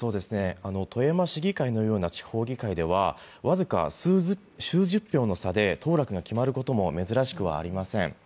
富山市議会のような地方議会では僅か数十票の差で当落が決まることも珍しくはありません。